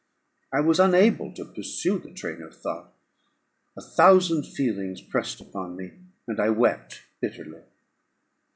I was unable to pursue the train of thought; a thousand feelings pressed upon me, and I wept bitterly.